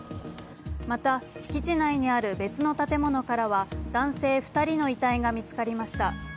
また敷地内にある別の建物からは男性２人の遺体が見つかりました。